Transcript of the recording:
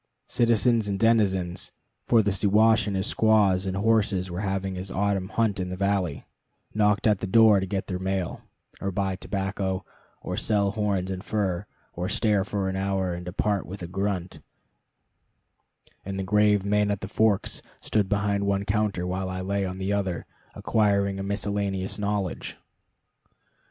Citizens and denizens for the Siwash with his squaws and horses was having his autumn hunt in the valley knocked at the door to get their mail, or buy tobacco, or sell horns and fur, or stare for an hour and depart with a grunt; and the grave Man at the Forks stood behind one counter while I lay on the other, acquiring a miscellaneous knowledge.